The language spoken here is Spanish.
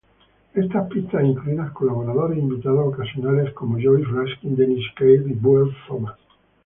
Estas pistas incluían colaboradores invitados ocasionales como Joyce Raskin, Dennis Kelly y Buell Thomas.